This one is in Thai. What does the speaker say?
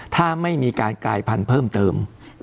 ถ้าไม่มีการกลายพันธุ์เพิ่มเติม